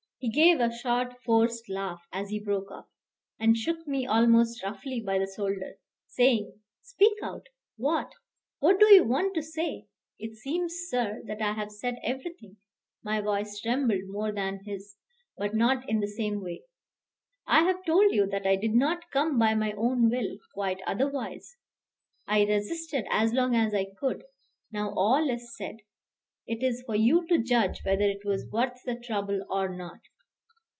He gave a short, forced laugh as he broke off, and shook me almost roughly by the shoulder, saying, "Speak out! what what do you want to say?" "It seems, sir, that I have said everything." My voice trembled more than his, but not in the same way. "I have told you that I did not come by my own will, quite otherwise. I resisted as long as I could: now all is said. It is for you to judge whether it was worth the trouble or not."